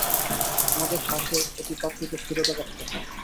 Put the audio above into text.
আমাদের শ্বাসে অতিপ্রাকৃত স্থিরতা কাজ করছে।